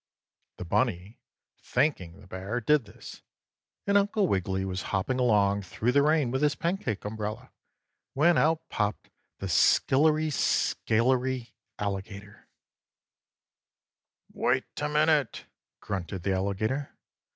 The bunny, thanking the bear, did this. And Uncle Wiggily was hopping along through the rain with his pancake umbrella when out popped the Skillery Scallery Alligator. 9. "Wait a minute!" grunted the Alligator.